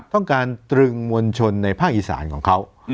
ต้องการตรึงมวลชนในภาคอีสานของเขา